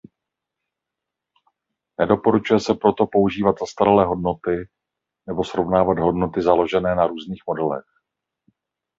Nedoporučuje se proto používat zastaralé hodnoty nebo srovnávat hodnoty založené na různých modelech.